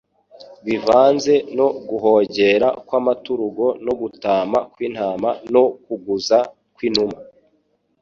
bivanze no guhogera kw'amaturugo no gutama kw'intama no kuguguza kw'inuma,